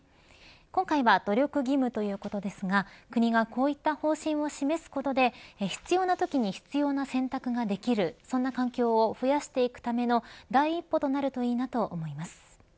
今回は努力義務ということですが国がこういった方針を示すことで必要なときに必要な選択ができるそんな環境を増やしていくための第一歩となるといいなと思います。